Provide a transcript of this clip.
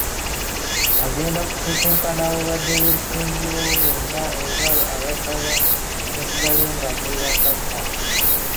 Agenda kusisinkana abaabadde beesimbyewo bonna era abasaba musigale nga muli bakkakkamu.